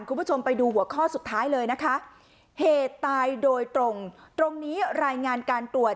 คุณผู้ชมไปดูหัวข้อสุดท้ายเลยนะคะเหตุตายโดยตรงตรงนี้รายงานการตรวจ